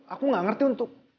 aku gak ngerti untuk